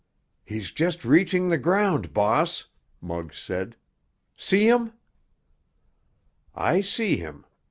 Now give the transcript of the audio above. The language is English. "He's just reaching the ground, boss," Muggs said. "See him?" "I see him.